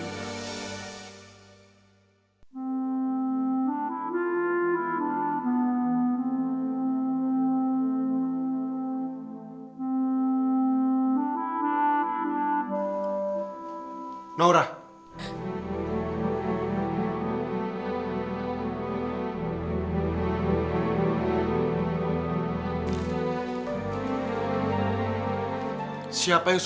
akhirnya lah ini theta ada sesuatu